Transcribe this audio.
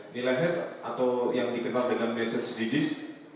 nilai hes atau yang dikenal dengan basis digits